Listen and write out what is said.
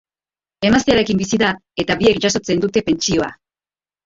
Emaztearekin bizi da eta biek jasotzen dute pentsioa.